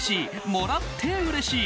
もらってうれしい！